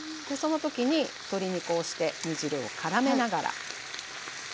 その時に鶏にこうして煮汁をからめながら。